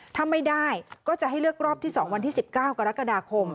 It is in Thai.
ถ้าไม่ได้ก็จะให้เลือกรอบที่๒วันที่๑๙กรกฎาคม